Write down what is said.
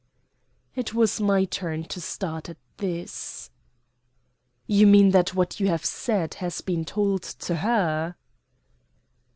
It was my turn to start at this. "You mean that what you have said has been told to her?"